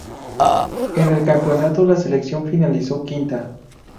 En el campeonato la selección finalizó quinta.